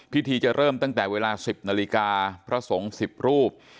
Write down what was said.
พิธีจะเริ่มตั้งแต่เวลา๑๐นาฬิกาพระสงฆ์๑๐รูป